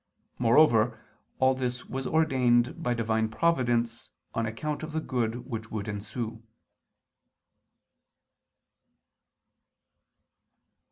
Moreover all this was ordained by Divine providence, on account of the good which would ensue.